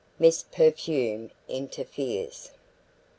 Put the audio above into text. MISS PERFUME INTERFERES.